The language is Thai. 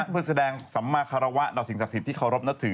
เพื่อแสดงสัมมาคารวะต่อสิ่งศักดิ์สิทธิเคารพนับถือ